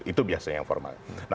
itu biasanya yang formal